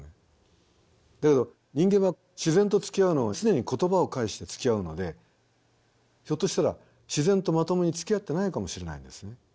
だけど人間は自然とつきあうのを常に言葉を介してつきあうのでひょっとしたら自然とまともにつきあってないかもしれないんですね。